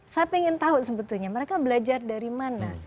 saya ingin tahu sebetulnya mereka belajar dari mana